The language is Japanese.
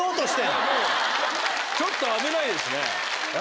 ちょっと危ないですね。